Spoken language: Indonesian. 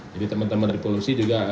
jadi teman teman republik sisi juga